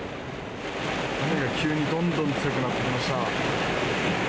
雨が急にどんどん強くなってきました。